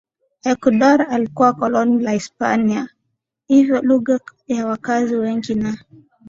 Ekuador ilikuwa koloni la Hispania hivyo lugha ya wakazi wengi na